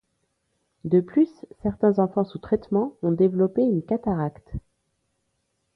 De plus, certains enfants sous traitement ont développé une cataracte.